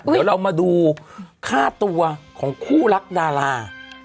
เดี๋ยวเรามาดูค่าตัวของคู่รักดารา